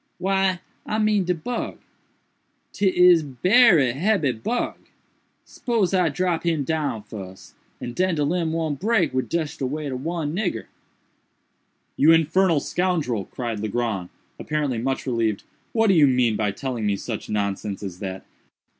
"Why I mean de bug. 'Tis berry hebby bug. Spose I drop him down fuss, and den de limb won't break wid just de weight ob one nigger." "You infernal scoundrel!" cried Legrand, apparently much relieved, "what do you mean by telling me such nonsense as that?